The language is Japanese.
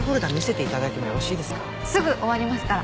すぐ終わりますから。